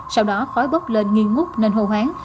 sau đó khói bốc lên nghiên múc nên hô hoáng